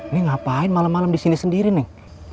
nen ngapain malam malam kesini sendiri nen